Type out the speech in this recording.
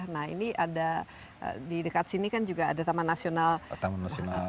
nah ini ada di dekat sini kan juga ada taman nasional